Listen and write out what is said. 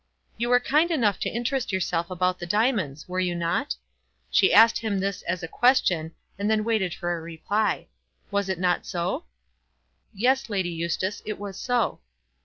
"You were kind enough to interest yourself about the diamonds, were you not?" She asked him this as a question, and then waited for a reply. "Was it not so?" "Yes, Lady Eustace; it was so."